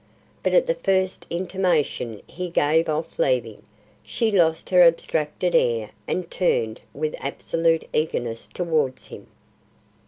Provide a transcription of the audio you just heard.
But at the first intimation he gave of leaving, she lost her abstracted air and turned with absolute eagerness towards him.